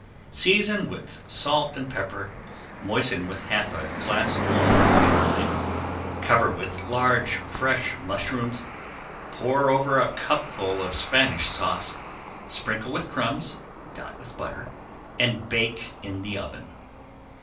Season with salt and pepper, moisten with half a glassful of white wine, cover with large fresh mushrooms, pour over a cupful of Spanish Sauce, sprinkle with crumbs, dot with butter, and bake in the oven.